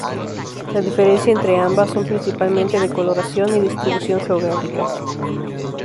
La diferencia entre ambas son principalmente de coloración y distribución geográfica.